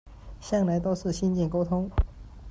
向来都是信件沟通